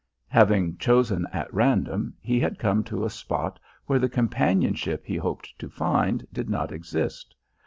Having chosen at random, he had come to a spot where the companionship he hoped to find did not exist.